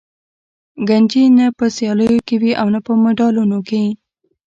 کنجي نه په سیالیو کې وي او نه په مډالونه کې.